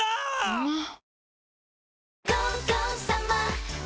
うまっ！！